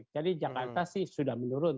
jadi jakarta sih sudah menurun